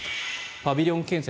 パビリオン建設。